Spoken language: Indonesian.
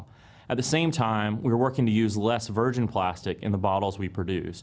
pada saat yang sama kami sedang bekerja untuk menggunakan plastik yang lebih lembut dari botol yang kami produksi